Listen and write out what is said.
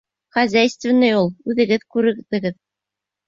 Хозяйственный ул. Үҙегеҙ күрҙегеҙ.